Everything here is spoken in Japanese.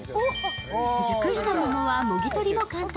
熟したものは、もぎ取りも簡単。